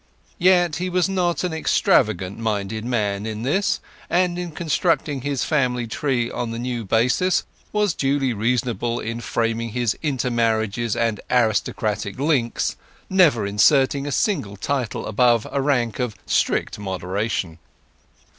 Yet he was not an extravagant minded man in this, and in constructing his family tree on the new basis was duly reasonable in framing his inter marriages and aristocratic links, never inserting a single title above a rank of strict moderation.